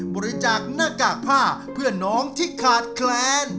บริจาคหน้ากากผ้าเพื่อนน้องที่ขาดแคลน